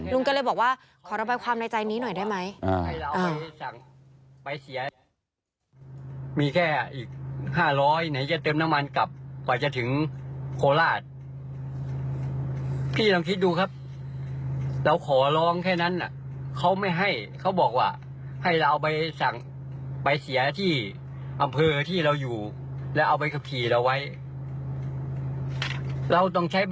ลุงก็เลยบอกว่าขอระบายความในใจนี้หน่อยได้ไหม